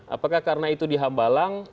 apakah karena itu di hambalang